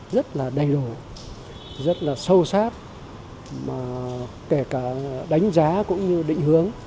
rất là đầy đủ rất là sâu sát kể cả đánh giá cũng như định hướng